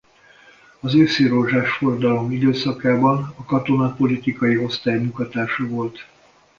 Az őszirózsás forradalom időszakában a Katonapolitikai osztály munkatársa volt.